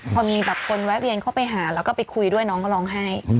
พอมีแบบคนแวะเวียนเข้าไปหาแล้วก็ไปคุยด้วยน้องก็ร้องไห้